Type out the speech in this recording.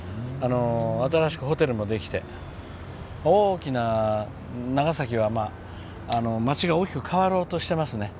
新しくホテルもできて、長崎は街が大きく変わろうとしていますね。